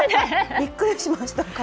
びっくりしました。